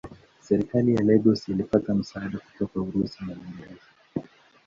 Serikali ya Lagos ilipata msaada kutoka Urusi na Uingereza.